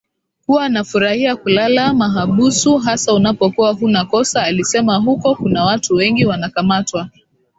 kuwa nafurahia kulala mahabusu hasa unapokuwa huna kosa alisemaHuko kuna watu wengi wanakamatwa